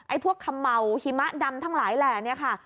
ไอ้พวกขำเหมาหิมะดำทั้งหลายแหล่นเนี่ยค่ะ